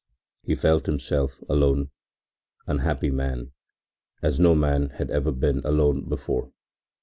He felt himself alone, unhappy man, as no man had ever been alone before!